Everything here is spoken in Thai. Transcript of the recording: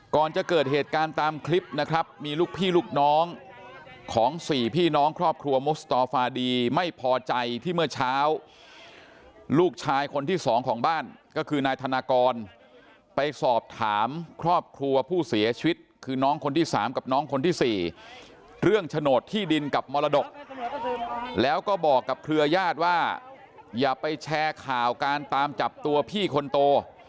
ก่อนจะเกิดเหตุการณ์ตามคลิปนะครับมีลูกพี่ลูกน้องของ๔พี่น้องครอบครัวมุสตอฟาดีไม่พอใจที่เมื่อเช้าลูกชายคนที่สองของบ้านก็คือนายธนากรไปสอบถามครอบครัวผู้เสียชีวิตคือน้องคนที่๓กับน้องคนที่๔เรื่องโฉนดที่ดินกับมรดกแล้วก็บอกกับเครือญาติว่าอย่าไปแชร์ข่าวการตามจับตัวพี่คนโต